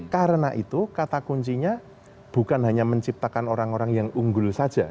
karena itu kata kuncinya bukan hanya menciptakan orang orang yang unggul saja